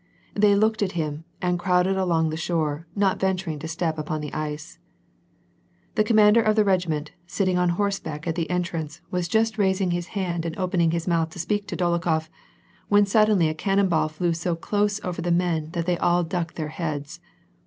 They looked at him, and crowded along tbe shore, not venturing to step upon the ice. The commander of the regiment, sitting on horseback at the entrance, was just raising his hand and opening his mouth to speak to Dolokbof, when suddenly a cannon ball flew so close over the men tbat they all ducked their heads.